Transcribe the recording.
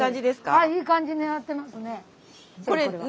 はいいい感じになってますね。